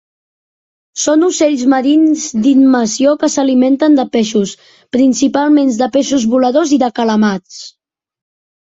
Són ocells marins d'immersió que s'alimenten de peixos, principalment de peixos voladors i de calamars.